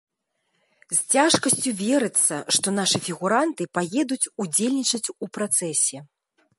З цяжкасцю верыцца, што нашы фігуранты паедуць удзельнічаць у працэсе.